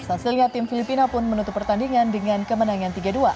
hasilnya tim filipina pun menutup pertandingan dengan kemenangan tiga dua